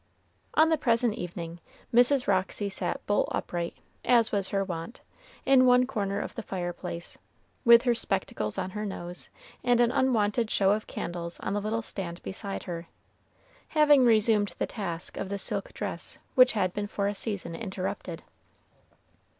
On the present evening, Miss Roxy sat bolt upright, as was her wont, in one corner of the fireplace, with her spectacles on her nose, and an unwonted show of candles on the little stand beside her, having resumed the task of the silk dress which had been for a season interrupted.